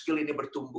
kemahiran ini bertumbuh